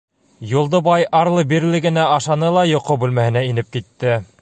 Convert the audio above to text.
Юлдыбай арлы-бирле, генә ашаны ла йоҡо бүлмәһенә инеп китте.